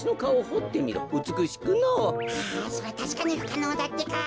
あそれはたしかにふかのうだってか。